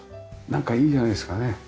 なんかいいじゃないですかね。